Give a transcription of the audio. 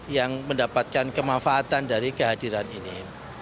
yang mendapatkan kemanfaatan dari kehadiran ini